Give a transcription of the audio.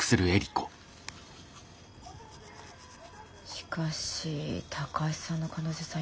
しかし高橋さんの彼女さん